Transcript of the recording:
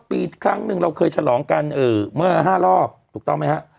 ปีครั้งหนึ่งเราเคยฉลองกันเมื่อ๕รอบถูกต้องไหมฮะ